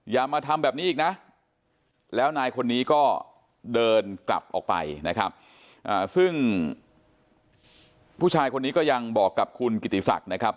อย่ามาทำแบบนี้อีกนะแล้วนายคนนี้ก็เดินกลับออกไปนะครับซึ่งผู้ชายคนนี้ก็ยังบอกกับคุณกิติศักดิ์นะครับ